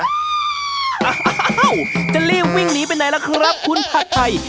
อ้าวจะรีบวิ่งหนีไปไหนล่ะครับคุณผัดไทย